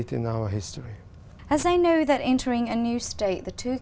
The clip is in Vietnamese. đầu tiên là văn hóa